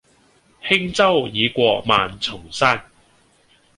輕舟已過萬重山